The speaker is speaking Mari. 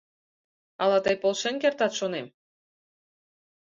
Ала тый полшен кертат, шонем.